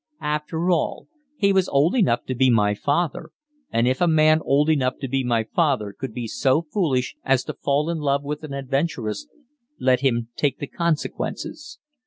After all, he was old enough to be my father, and if a man old enough to be my father could be so foolish as to fall in love with an adventuress, let him take the consequences.